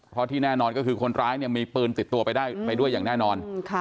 เพราะที่แน่นอนก็คือคนร้ายเนี่ยมีปืนติดตัวไปด้วยอย่างแน่นอน